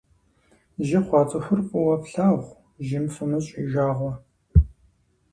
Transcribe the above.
Жьы хъуа цӏыхур фӏыуэ флъагъу, жьым фымыщӏ и жагъуэ.